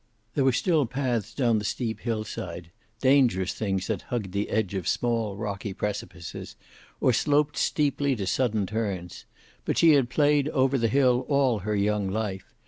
There were still paths down the steep hill side, dangerous things that hugged the edge of small, rocky precipices, or sloped steeply to sudden turns. But she had played over the hill all her young life.